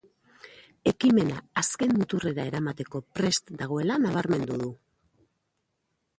Ekimena azken muturrera eramateko prest dagoela nabarmendu du.